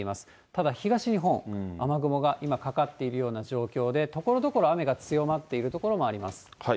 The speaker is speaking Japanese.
ただ東日本、雨雲が今かかっているような状況で、ところどころ雨が強まっている所もあります。